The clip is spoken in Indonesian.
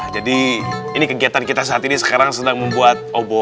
jadi ini kegiatan kita saat ini sekarang sedang membuat obor ini bertujuan untuk